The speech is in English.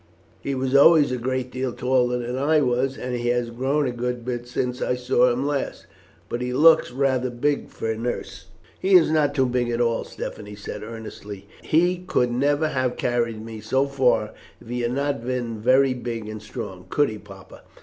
He was always a great deal taller than I was, and he has grown a good bit since I saw him last. But he looks rather big for a nurse." "He is not too big at all," Stephanie said earnestly. "He could never have carried me so far if he had not been very big and strong. Could he, papa?"